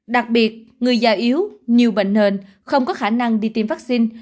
đặc biệt người già yếu nhiều bệnh nền không có khả năng đi tiêm vaccine